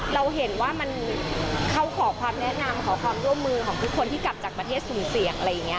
เราเห็นว่ามันเขาขอความแนะนำขอความร่วมมือของทุกคนที่กลับจากประเทศสุ่มเสี่ยงอะไรอย่างนี้